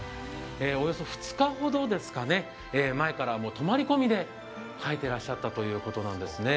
およそ２日ほどですかね、前から泊まり込みで描いてらっしゃったということです。